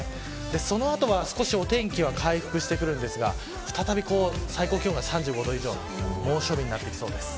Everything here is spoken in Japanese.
その後は少しお天気回復してきますが再び、最高気温が３５度以上の猛暑日になってきそうです。